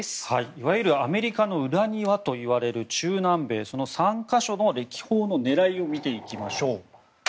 いわゆるアメリカの裏庭といわれる中南米３か所の歴訪の狙いを見ていきましょう。